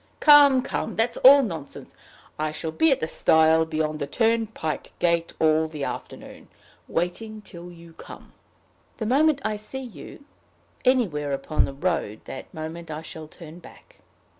Come, come! that's all nonsense. I shall be at the stile beyond the turnpike gate all the afternoon waiting till you come." "The moment I see you anywhere upon the road that moment I shall turn back.